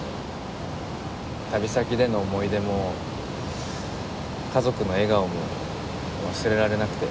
旅先での思い出も家族の笑顔も忘れられなくて。